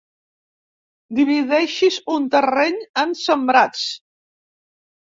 Divideixis un terreny en sembrats.